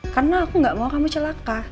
karena aku gak mau kamu celaka